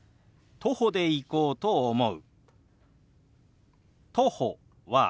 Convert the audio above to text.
「徒歩で行こうと思う」。